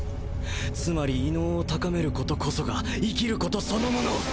つまり異能を高める事こそが生きる事そのもの！